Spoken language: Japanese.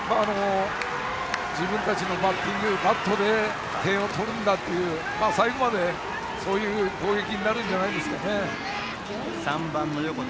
自分たちのバッティングバットで点を取るんだという最後までそういう攻撃に３番の横田